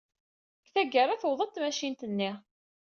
Deg tgara, tuweḍ-d tmacint-nni.